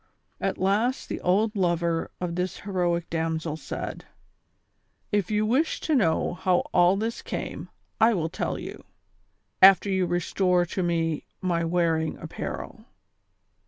At last the old lover of this heroic damsel said :" If you wish to know how all this came, I will tell you, after you restore to me my wearing apparel."